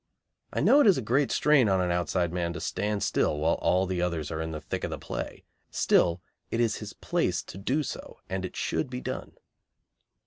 I know it is a great strain on an outside man to stand still while all the others are in the thick of the play. Still, it is his place to do so, and it should be done.